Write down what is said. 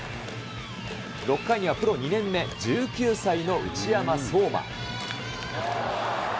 ６回にはプロ２年目、１９歳の内山壮真。